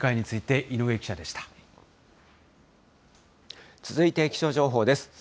続いて、気象情報です。